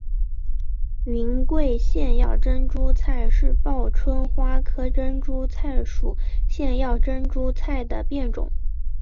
云贵腺药珍珠菜是报春花科珍珠菜属腺药珍珠菜的变种。